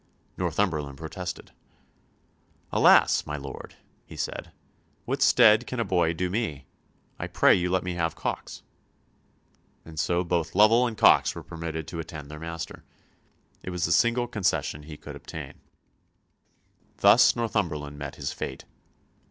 Northumberland protested. "Alas, my lord," he said, "what stead can a boy do me? I pray you let me have Cox." And so both Lovell and Cox were permitted to attend their master. It was the single concession he could obtain. Thus Northumberland met his fate.